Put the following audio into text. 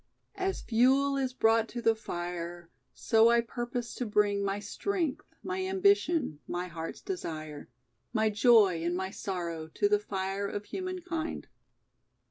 "As fuel is brought to the fire, So I purpose to bring My strength, my ambition, My heart's desire, My joy And my sorrow To the fire Of humankind."